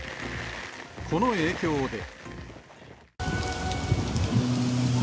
この影響で。